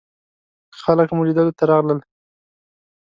خلک مو لیدلو ته راغلل.